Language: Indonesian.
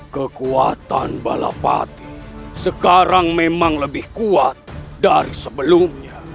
kekuatan balapati sekarang memang lebih kuat dari sebelumnya